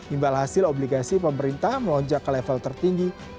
imbal hasil obligasi pemerintah melonjak ke level tertinggi